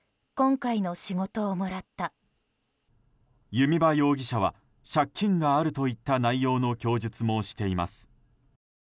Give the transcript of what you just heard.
弓場容疑者は借金があるといった内容の供述もしています。